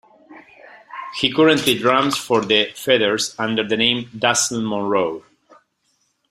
He currently drums for The Featherz under the name Dazzle Monroe.